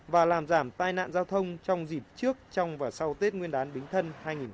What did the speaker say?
và làm giảm tai nạn giao thông trong dịp trước trong và sau tết nguyên đán bính thân hai nghìn hai mươi